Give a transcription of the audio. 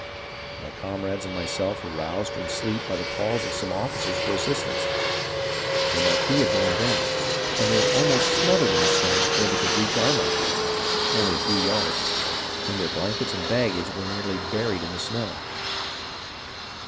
My comrades and myself were roused from sleep by the calls of some officers for assistance ; their marquee had blown down, and they were almost smothered in the storm before they could reach our marquee, only a few yards ; and their blankets and baggage were nearly buried in the snow.